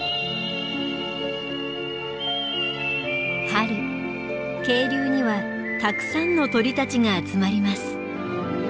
春渓流にはたくさんの鳥たちが集まります。